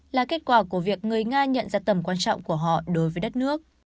là kết quả của việc người nga nhận ra tầm quan trọng của họ đối với đất nước